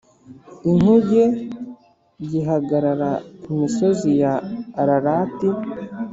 inkuge g ihagarara ku misozi ya Ararati